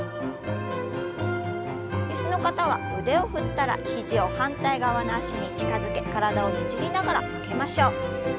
椅子の方は腕を振ったら肘を反対側の脚に近づけ体をねじりながら曲げましょう。